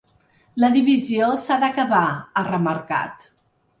La divisió s’ha d’acabar, ha remarcat.